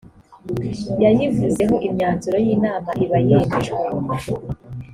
yayivuzeho imyanzuro y’inama iba yemejwe